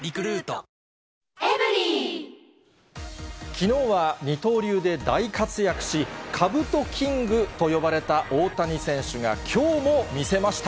きのうは二刀流で大活躍し、かぶとキングと呼ばれた大谷選手が、きょうも見せました。